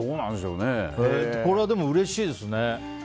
これはでもうれしいですね。